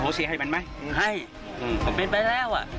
อโหสิให้มันไหมให้ผมเป็นไปแล้ว